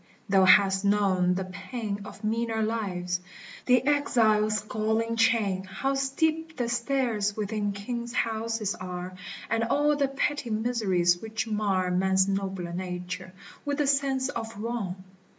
thou hast known the pain Of meaner lives, — the exile's galling chain, How steep the stairs within kings' houses are, And all the petty miseries which mar Man's nobler nature with the sense of wrong.